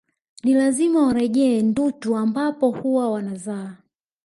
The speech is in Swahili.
Ni lazima warejee Ndutu ambapo huwa wanazaa